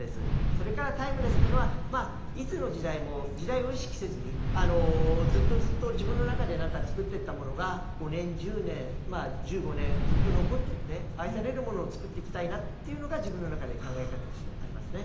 それからタイムレスっていうのはいつの時代も時代を意識せずにずっとずっと自分の中で何か作ってった物が５年１０年まあ１５年ずっと残ってって愛される物を作っていきたいなっていうのが自分の中で考え方としてありますね。